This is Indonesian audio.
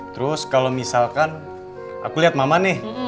terus kalau misalkan aku lihat mama nih